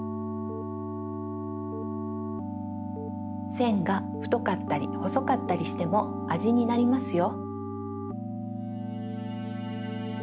せんがふとかったりほそかったりしてもあじになりますよ。